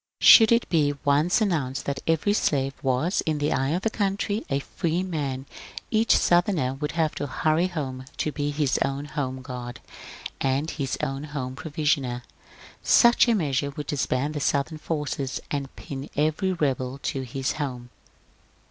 Should it be once announced that every slave was, in the eye of the country, a free man, each Southerner would have to hurry home to be his own home g^ard and his own home provisioner. Such a measure would disband the Southern forces, and pin every rebel to his home."